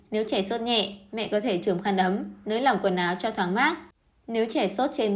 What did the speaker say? nếu trẻ sốt nhẹ mẹ có thể trường khăn ấm nới lỏng quần áo cho thoáng mát